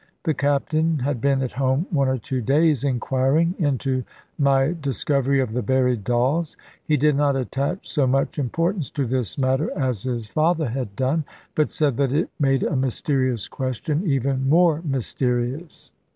The Captain had been at home one or two days, inquiring into my discovery of the buried dolls. He did not attach so much importance to this matter as his father had done, but said that it made a mysterious question even more mysterious.